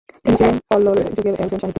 তিনি ছিলেন কল্লোল যুগের একজন সাহিত্যিক।